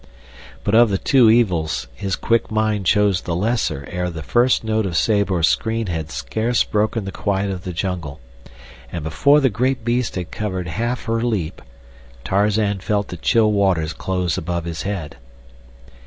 But of the two evils his quick mind chose the lesser ere the first note of Sabor's scream had scarce broken the quiet of the jungle, and before the great beast had covered half her leap Tarzan felt the chill waters close above his head.